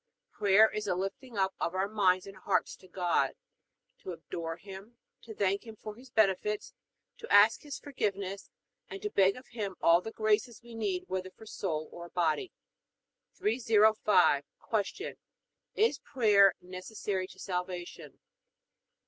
Prayer is the lifting up of our minds and hearts to God to adore Him, to thank Him for His benefits, to ask His forgiveness, and to beg of Him all the graces we need whether for soul or body. 305. Q. Is prayer necessary to salvation?